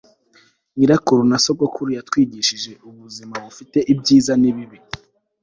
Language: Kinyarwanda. nyirakuru na sogokuru yatwigishije ubuzima bufite ibyiza nibibi